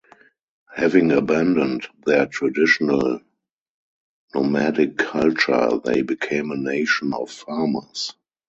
Having abandoned their traditional nomadic culture, they became a nation of farmers.